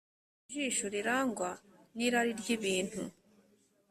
dore ijisho rirangwa n’irari ry’ibintu.